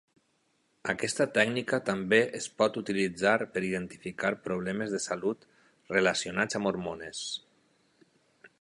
Aquesta tècnica també es pot utilitzar per identificar problemes de salut relacionats amb hormones.